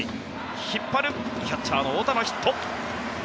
引っ張るキャッチャー、太田のヒット。